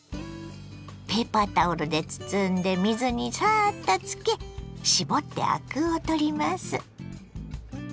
ペーパータオルで包んで水にサッとつけ絞ってアクを取ります。